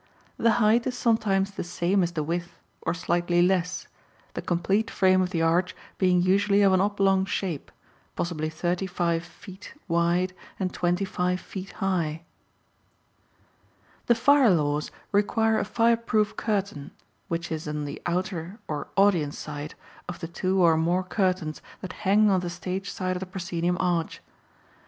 The height is sometimes the same as the width, or slightly less, the complete frame of the arch being usually of an oblong shape, possibly thirty five feet wide and twenty five feet high. [Illustration: Diagram of a Modern Theatre] The fire laws require a fireproof curtain, which is on the outer or audience side of the two or more curtains that hang on the stage side of the proscenium arch.